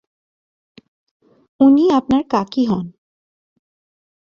উনি আপনার কাকি হন।